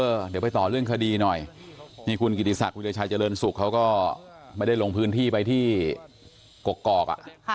เดี๋ยวไปต่อเรื่องคดีหน่อยนี่คุณกิติศักดิชัยเจริญสุขเขาก็ไม่ได้ลงพื้นที่ไปที่กกอกอ่ะ